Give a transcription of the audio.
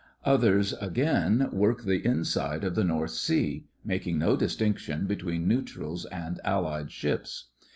Others, again, work the inside of the North Sea, making no distinction between neu trals and Allied ships.